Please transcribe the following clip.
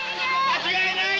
・・間違いない！